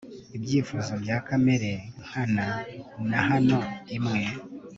Ibyifuzo bya Kamere nkana na hano imwe